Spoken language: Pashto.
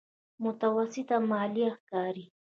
متوسطه ماليه ښکاري.